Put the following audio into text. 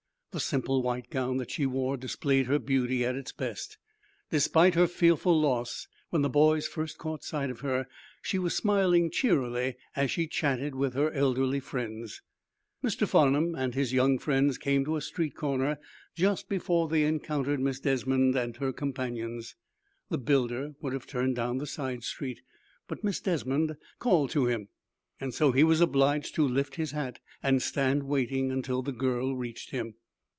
The simple white gown that she wore displayed her beauty at its best. Despite her fearful loss, when the boys first caught sight of her, she was smiling cheerily as she chatted with her elderly friends. Mr. Farnum and his young friends came to a street corner just before they encountered Miss Desmond and her companions. The builder would have turned down the side street, but Miss Desmond called to him. So he was obliged to lift his hat and stand waiting until the girl reached him.